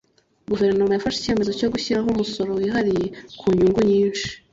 guverinoma yafashe icyemezo cyo gushyiraho umusoro wihariye ku nyungu nyinshi